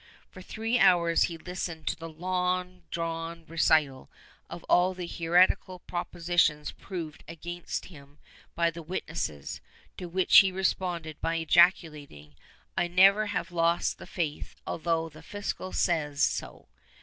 For three hours he listened to the long drawn recital of all the heretical propositions proved against him by the witnesses, to which he responded by ejaculating "I never have lost the faith although the fiscal says so."